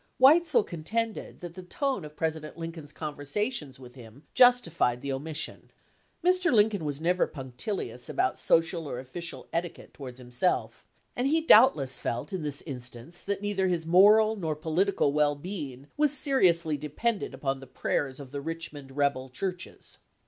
Weitzel contended that the tone of Presi dent Lincoln's conversations with him justified the omission. Mr. Lincoln was never punctilious about social or official etiquette towards himself, and he doubtless felt in this instance that neither his moral nor political well being was seriously dependent upon the prayers of the Richmond rebel churches.